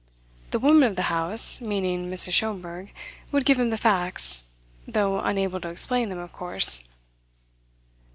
The woman of the house meaning Mrs. Schomberg would give him the facts, though unable to explain them, of course.